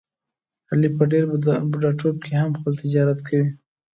علي په ډېر بوډاتوب کې هم خپل تجارت کوي.